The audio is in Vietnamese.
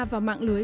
vào mạng lưới